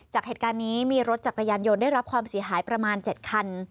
จากเหตุการณ์นี้มีรถจักรยานยนต์ได้รับความเสียหายประมาณ๗คัน